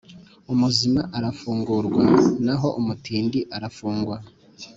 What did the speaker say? Umuzima arafungurwa naho umutindi arafungwa